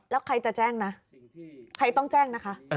แล้วใครจะแจ้งนะใครต้องแจ้งนะคะ